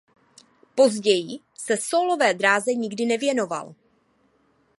Později se sólové dráze nikdy nevěnoval.